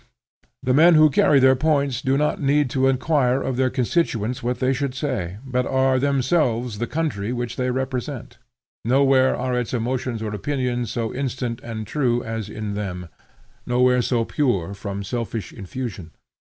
The men who carry their points do not need to inquire of their constituents what they should say, but are themselves the country which they represent; nowhere are its emotions or opinions so instant and true as in them; nowhere so pure from a selfish infusion.